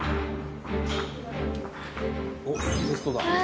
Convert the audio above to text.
おっテストだ！